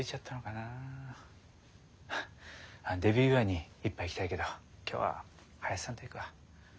デビュー祝いに一杯行きたいけど今日は林さんと行くわ。